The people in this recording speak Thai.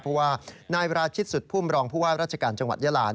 เพราะว่านายราชิตสุดพุ่มรองผู้ว่าราชการจังหวัดยาลา